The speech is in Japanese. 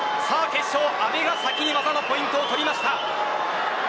決勝は阿部が先に技のポイントを取りました。